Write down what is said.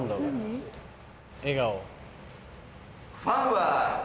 ファンは！